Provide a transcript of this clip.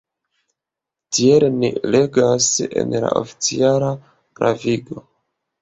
Tiel ni legas en la oficiala pravigo.